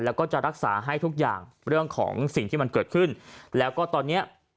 แล้วก็จะรักษาให้ทุกอย่างเรื่องของสิ่งที่มันเกิดขึ้นแล้วก็ตอนเนี้ย